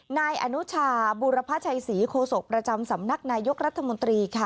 นายอนุชาบุรพชัยศรีโคศกประจำสำนักนายกรัฐมนตรีค่ะ